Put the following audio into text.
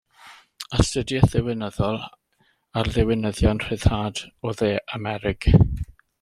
Astudiaeth ddiwinyddol ar ddiwinyddion rhyddhad o Dde Amerig.